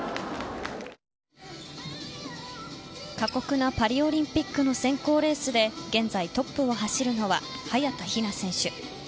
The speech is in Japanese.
過酷なパリオリンピックの選考レースで現在トップを走るのは早田ひな選手。